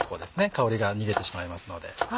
香りが逃げてしまいますので。